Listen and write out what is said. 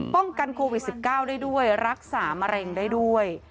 ป้องกันโควิด๑๙ได้ด้วยรักษามะเร็งได้ด้วย